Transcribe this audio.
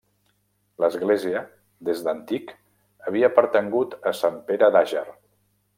L'església des d'antic havia pertangut a Sant Pere d'Àger.